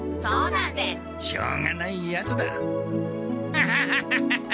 ハハハハハハ。